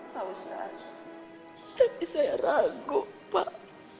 pak ustadz tapi saya ragu pak